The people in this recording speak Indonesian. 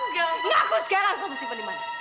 ngaku sekarang kamu simpan di mana